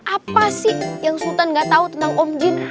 apa sih yang sultan gak tahu tentang om jin